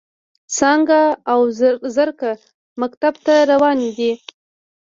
څانګه او زرکه مکتب ته روانې دي.